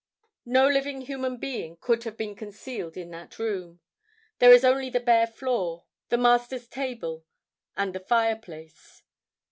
"No living human being could have been concealed in that room. There is only the bare floor, the Master's table and the fireplace.